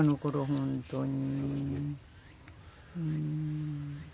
本当に。